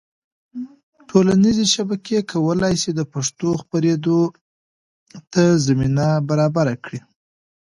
ټولنیزې شبکې کولی سي د پښتو خپرېدو ته زمینه برابره کړي.